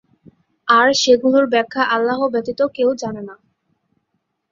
আর সেগুলোর ব্যাখ্যা আল্লাহ ব্যতীত কেউ জানে না।